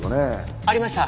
ありました！